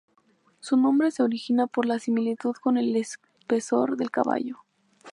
Su nombre se origina por la similitud con el espesor del cabello.